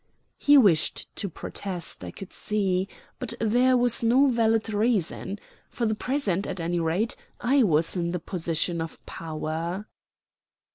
He wished to protest, I could see, but there was no valid reason. For the present at any rate I was in the position of power.